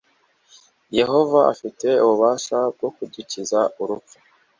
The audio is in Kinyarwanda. Yehova afite ububasha bwo kudukiza urupfu